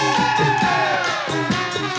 โอ้โหโอ้โหโอ้โหโอ้โห